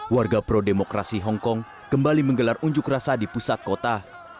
warga pro demokrasi hongkong kembali menggelar unjuk rasa di pusat kota